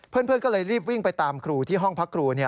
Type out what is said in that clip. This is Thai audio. เพื่อนก็เลยรีบวิ่งไปตามครูที่ห้องพักครู